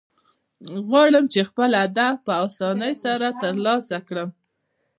غواړم، چي خپل هدف په آساني سره ترلاسه کړم.